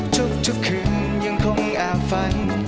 ทุกคืนยังคงแอบฝัน